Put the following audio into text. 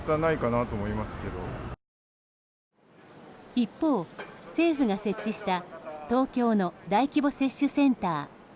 一方、政府が設置した東京の大規模接種センター。